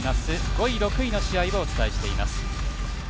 ５位、６位の試合をお伝えしています。